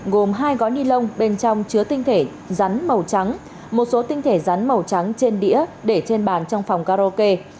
gồm hai gói ni lông bên trong chứa tinh thể rắn màu trắng một số tinh thể rắn màu trắng trên đĩa để trên bàn trong phòng karaoke